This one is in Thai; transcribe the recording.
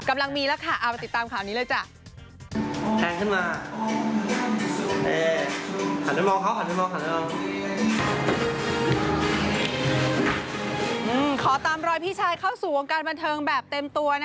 กำลังมีแล้วค่ะเอาไปติดตามข่าวนี้เลยจ้ะ